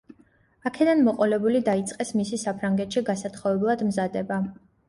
აქედან მოყოლებული დაიწყეს მისი საფრანგეთში გასათხოვებლად მზადება.